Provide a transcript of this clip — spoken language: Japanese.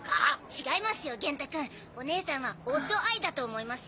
違いますよ元太くん。おねえさんはオッドアイだと思いますよ。